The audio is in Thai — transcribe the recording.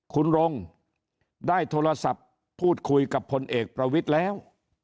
คุณรงค์ได้โทรศัพท์พูดคุยกับพลเอกประวิทย์แล้ว